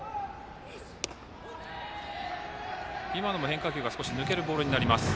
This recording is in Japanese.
変化球が少し抜けるボールになります。